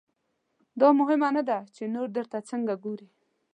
دا مهمه نه ده چې نور درته څنګه ګوري.